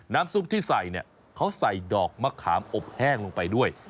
ซุปที่ใส่เนี่ยเขาใส่ดอกมะขามอบแห้งลงไปด้วย